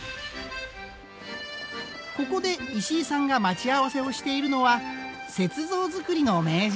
ここで石井さんが待ち合わせをしているのは雪像作りの名人。